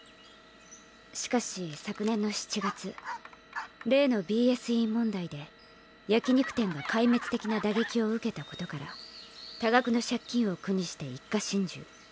しかし昨年の７月例のＢＳＥ問題で焼き肉店が壊滅的な打撃を受けたことから多額の借金を苦にして一家心中。